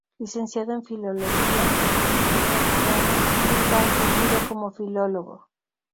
Licenciado en filología catalana, nunca ha ejercido como filólogo.